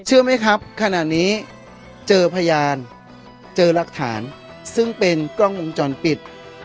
เชื่อไหมครับขณะนี้เจอพยานเจอรักฐานซึ่งเป็นกล้องวงจรปิด